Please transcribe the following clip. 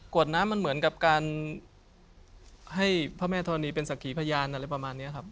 วดน้ำมันเหมือนกับการให้พระแม่ธรณีเป็นสักขีพยานอะไรประมาณนี้ครับ